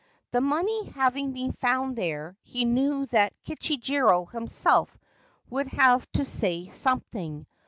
The money having been found there, he knew that Kichijiro himself would have to say something.